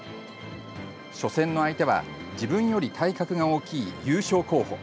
初戦の相手は自分より体格が大きい優勝候補。